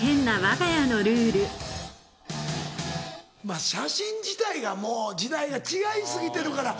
まぁ写真自体がもう時代が違い過ぎてるから。